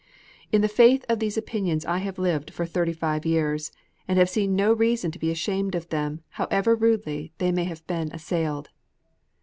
In the faith of these opinions I have lived for thirty five years, and have seen no reason to be ashamed of them, however rudely they may have been assailed.